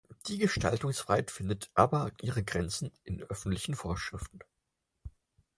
Die Gestaltungsfreiheit findet aber ihre Grenzen in öffentlichen Vorschriften.